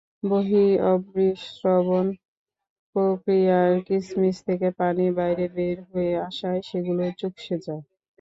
বহিঃঅভিস্রবণ-প্রক্রিয়ায় কিশমিশ থেকে পানি বাইরে বের হয়ে আসায় সেগুলো চুপসে যায়।